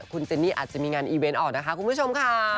คุณเจนนี่อาจจะมีงานอีเวนต์ออกนะคะคุณผู้ชมค่ะ